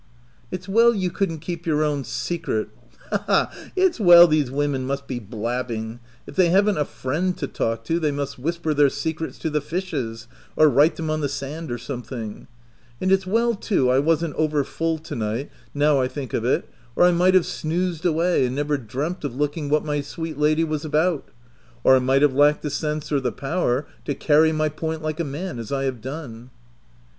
" It's well you couldn't keep your own secret —ha, ha ! It's well these women must be blab bing—if they haven't a friend to talk to, they must whisper their secrets to the fishes, or write them on the sand or something ; and it's well too I wasn't over full to night, now I think of it, or I might have snoosed away and never dreamt of looking what my sweet lady was about — or I might have lacked the sense or the power to carry my point like a man, as I have done."